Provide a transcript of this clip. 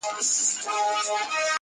چي توري څڼي پرې راوځړوې؛